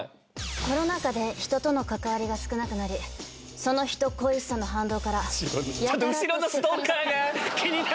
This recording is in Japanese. コロナ禍で人との関りが少なくなりその人恋しさの反動からやたらと。